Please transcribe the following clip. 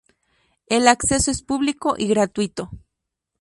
El acceso es público y gratuito.